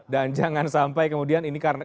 dan jangan sampai kemudian ini karena